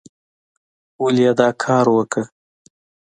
ولې یې دا کار وکه؟